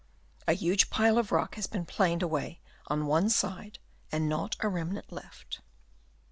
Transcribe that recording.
A huge pile of reck has been planed away on one side and not a remnant left.